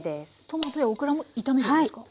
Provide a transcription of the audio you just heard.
トマトやオクラも炒めるんですか？